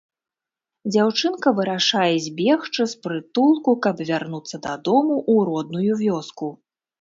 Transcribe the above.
Дзяўчынка вырашае збегчы з прытулку, каб вярнуцца дадому, у родную вёску.